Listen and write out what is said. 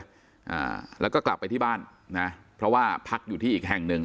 อ่าแล้วก็กลับไปที่บ้านนะเพราะว่าพักอยู่ที่อีกแห่งหนึ่ง